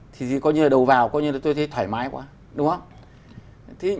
thì có như là đầu vào coi như là tôi thấy thoải mái quá đúng không